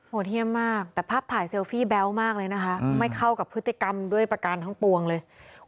เยี่ยมมากแต่ภาพถ่ายเซลฟี่แบ๊วมากเลยนะคะไม่เข้ากับพฤติกรรมด้วยประการทั้งปวงเลย